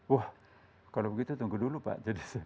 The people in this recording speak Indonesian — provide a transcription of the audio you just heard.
wah kalau begitu tunggu dulu pak